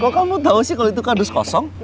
kok kamu tau sih kalo itu kardus kosong